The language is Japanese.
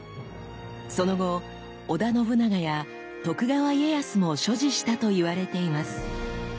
その後織田信長や徳川家康も所持したと言われています。